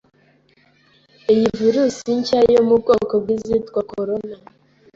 Iyi virus nshya yo mu bwoko bw'izitwa corona